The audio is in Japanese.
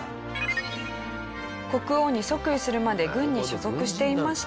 国王に即位するまで軍に所属していました。